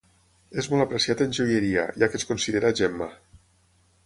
És molt apreciat en joieria, ja que es considera gemma.